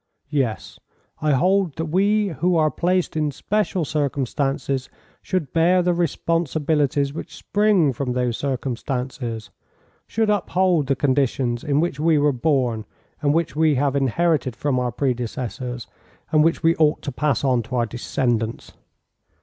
"Yes, I hold that we who are placed in special circumstances should bear the responsibilities which spring from those circumstances, should uphold the conditions in which we were born, and which we have inherited from our predecessors, and which we ought to pass on to our descendants."